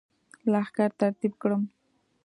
لښکر ترتیب کړم.